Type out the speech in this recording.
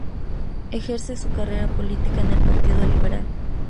Ejerce su carrera política en el Partido Liberal.